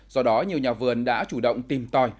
do đó nhiều nhà vườn đã chủ động tìm tòi